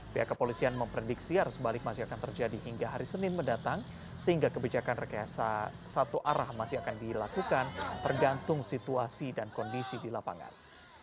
pihak kepolisian memprediksi arus balik masih akan terjadi hingga hari senin mendatang sehingga kebijakan rekayasa satu arah masih akan dilakukan tergantung situasi dan kondisi di lapangan